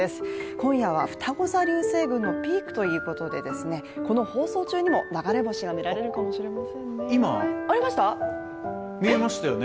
今夜はふたご座流星群のピークということで、この放送中にも流れ星が見られるかもしれませんね。